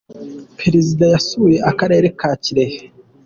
perezida yasuye akarere ka kirehe.